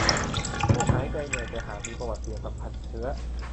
ไม่หายใจเหนื่อย แต่หากมีประวัติเสี่ยงสัมผัสเชื้อ